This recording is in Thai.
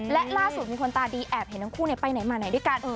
และล่าสุดมีคนตาดีแอบเห็นทั้งคู่ไปไหนมาไหนด้วยกัน